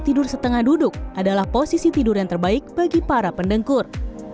tidur setengah duduk adalah posisi tidur yang terbaik bagi para pendengkur